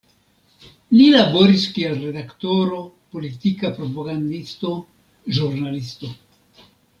Li laboris kiel redaktoro, politika propagandisto, ĵurnalisto.